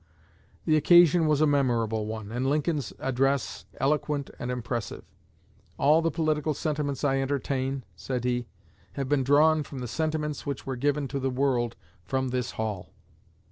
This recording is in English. The occasion was a memorable one, and Lincoln's address eloquent and impressive. "All the political sentiments I entertain," said he, "have been drawn from the sentiments which were given to the world from this hall."